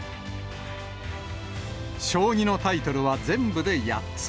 将棋のタイトルは全部で８つ。